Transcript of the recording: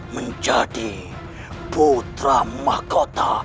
menjadi putra mahkota